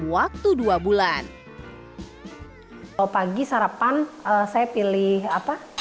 waktu dua bulan kalau pagi sarapan saya pilih